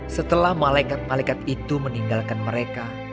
setelah malaikat malaikat itu meninggalkan mereka